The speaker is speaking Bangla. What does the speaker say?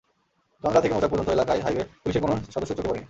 চন্দ্রা থেকে মৌচাক পর্যন্ত এলাকায় হাইওয়ে পুলিশের কোনো সদস্য চোখে পড়েনি।